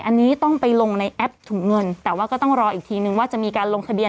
อันนี้ต้องไปลงในแอปถุงเงินแต่ว่าก็ต้องรออีกทีนึงว่าจะมีการลงทะเบียน